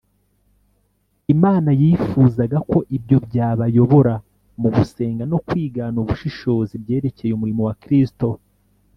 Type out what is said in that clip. . Imana yifuzaga ko ibyo byabayobora mu gusenga no kwigana ubushishozi ibyerekeye umurimo wa Kristo